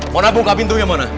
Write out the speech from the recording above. mona buka pintunya mona